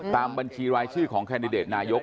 ตามบัญชีรายชื่อของขันนายก